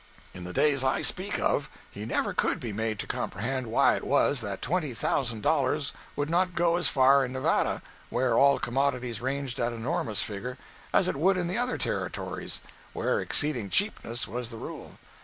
In the days I speak of he never could be made to comprehend why it was that twenty thousand dollars would not go as far in Nevada, where all commodities ranged at an enormous figure, as it would in the other Territories, where exceeding cheapness was the rule.